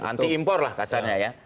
anti impor lah kasarnya ya